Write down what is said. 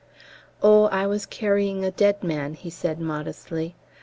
"Oh, I was carrying a dead man," he said modestly.